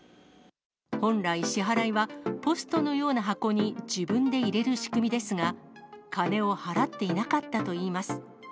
本来、支払いはポストのような箱に自分で入れる仕組みですが、金を払っていなかったといいます。